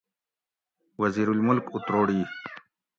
وزیرالملک اُتروڑی